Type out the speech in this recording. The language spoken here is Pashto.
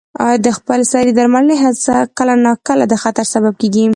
د خپل سرې درملنې هڅه کله ناکله د خطر سبب کېږي.